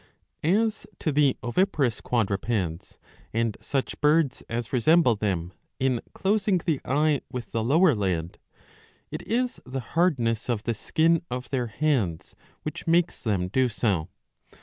* As to the oviparous quadrupeds, and such birds as resemble them in closing the eye with the lower lid, it is the hardness of the skin of their heads which makes them do so.